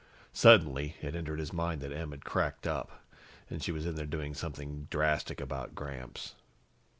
Suddenly, it entered his mind that Em had cracked up, that she was in there doing something drastic about Gramps.